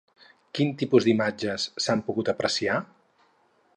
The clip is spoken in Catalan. Quin tipus d'imatges s'han pogut apreciar?